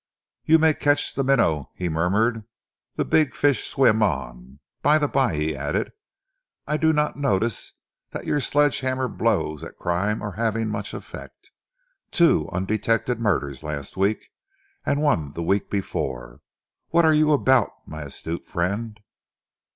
"You may catch the minnow," he murmured. "The big fish swim on. By the bye," he added, "I do not notice that your sledge hammer blows at crime are having much effect. Two undetected murders last week, and one the week before. What are you about, my astute friend?"